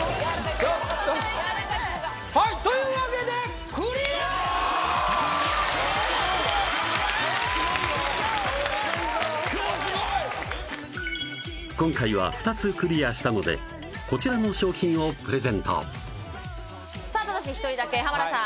今日すごいぞ今日すごい今回は２つクリアしたのでこちらの賞品をプレゼントさあただし１人だけ浜田さん